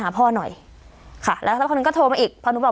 พ่อหน่อยค่ะแล้วสักคนหนึ่งก็โทรมาอีกพอหนูบอก